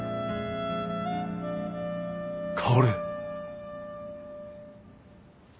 薫。